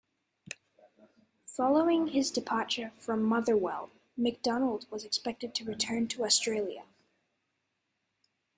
Following his departure from Motherwell, McDonald was expected to return to Australia.